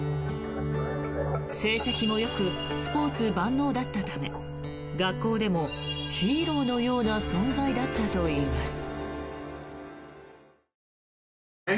成績もよくスポーツ万能だったため学校でもヒーローのような存在だったといいます。